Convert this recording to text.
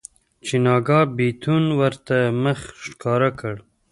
چې ناګاه بيتون ورته مخ ښکاره کړ.